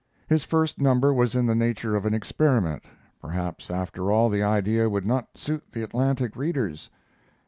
His first number was in the nature of an experiment. Perhaps, after all, the idea would not suit the Atlantic readers.